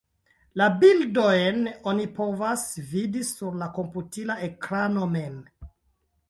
La bildojn oni povas vidi sur la komputila ekrano mem.